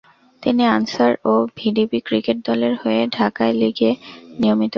তিনি আনসার ও VDP cricket দলের হয়ে ঢাকায় লিগে নিয়মিত খেলেন।